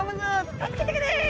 「助けてくれ！」